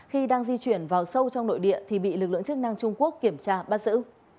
khi đang di chuyển vào sâu trong nội địa thì bị lực lượng chức năng trung quốc kiểm tra bắt giữ